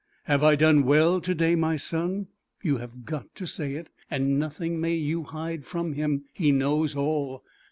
"Have I done well to day, my son?" You have got to say it, and nothing may you hide from him; he knows all.